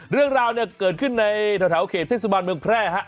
เรื่องราวเนี่ยเกิดขึ้นในแถวเขตเทศบาลเมืองแพร่ฮะ